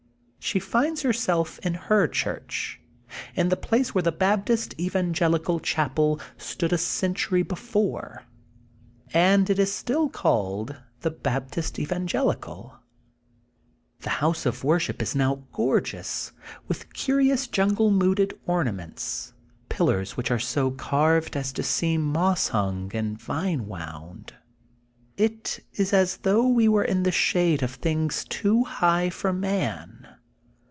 She finds herself in her church, in the place where the Baptist Evangelical chapel stood a century before. And it is still / 86 THE GOLDEN BOOK OF SPRINGFIELD called the Baptist Evangelical/' The house of worship is now gorgeous with curious jun gle mooded ornaments, pillars which are so carved as to seem moss hung and vine wound. It is as though we were in the shade of things too high for man.